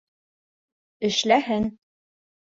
Эшләһен.